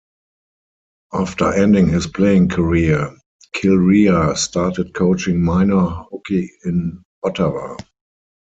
After ending his playing career, Kilrea started coaching minor hockey in Ottawa.